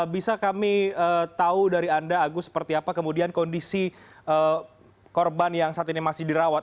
bisa kami tahu dari anda agus seperti apa kemudian kondisi korban yang saat ini masih dirawat